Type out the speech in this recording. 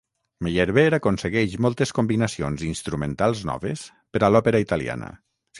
Meyerbeer aconsegueix moltes combinacions instrumentals noves per a l'òpera italiana.